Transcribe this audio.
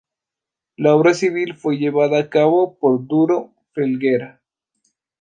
La obra civil fue llevada a cabo por Duro Felguera.